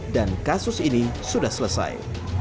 dan kasus ini sudah selesai